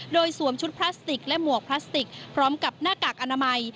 โดยสวมชุดพลาสติกและหมวกพลาสติกพร้อมกับหน้ากากอนามัย